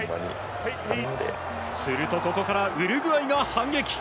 すると、ここからウルグアイが反撃。